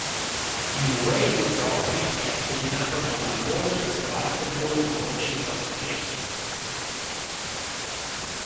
Il Wade Trophy è assegnato dalla Women's Basketball Coaches Association.